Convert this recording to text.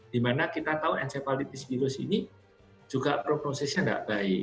di mana kita tahu encephalitis virus ini juga prognosisnya tidak baik